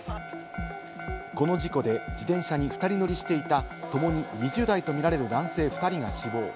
この事故で自転車に２人乗りしていた、ともに２０代とみられる男性２人が死亡。